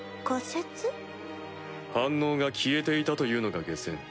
反応が消えていたというのが解せん。